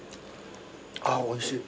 あぁおいしい。